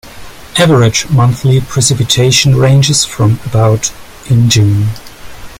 Average monthly precipitation ranges from about in June.